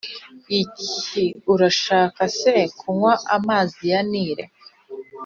iki Urashaka se kunywa amazi ya Nili